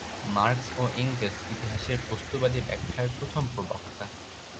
Marks ও Engels ইতিহাসের বস্তুবাদী ব্যাখ্যার প্রথম প্রবক্তা।